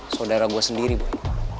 saudara gua sendiri boy